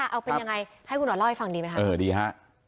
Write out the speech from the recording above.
เอาเป็นยังไงให้คุณหอนเล่าให้ฟังดีไหมคะเออดีฮะ